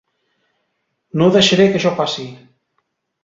No deixaré que això passi!